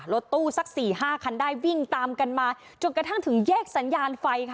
รถตู้สักสี่ห้าคันได้วิ่งตามกันมาจนกระทั่งถึงแยกสัญญาณไฟค่ะ